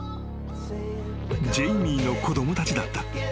［ジェイミーの子供たちだった］